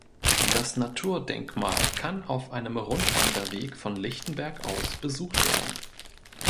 Das Naturdenkmal kann auf einem Rundwanderweg von Lichtenberg aus besucht werden.